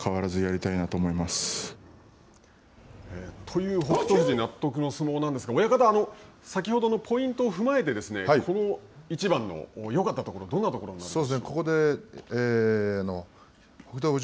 という北勝富士納得の相撲なんですけど親方、先ほどのポイントを踏まえて、この一番のよかったところどんなところになるんでしょう。